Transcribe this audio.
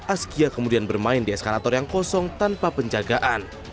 askia kemudian bermain di eskalator yang kosong tanpa penjagaan